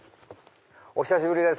お久しぶりです。